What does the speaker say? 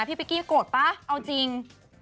พี่เป๊กกี้โกรธป่ะเอาจริง